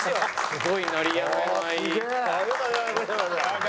すごい鳴りやまない。